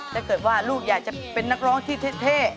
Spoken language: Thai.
ถ้าเกิดว่าลูกอยากจะเป็นนักร้องที่เท่